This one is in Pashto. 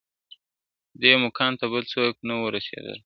دې مقام ته بل څوک نه وه رسېدلي ..